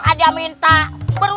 bekerja tetap bekerja